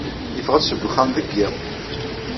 Yeffeɣ-d seg uxxam deg yiḍ.